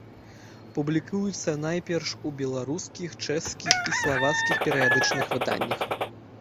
Публікуецца найперш у беларускіх, чэшскіх і славацкіх перыядычных выданнях.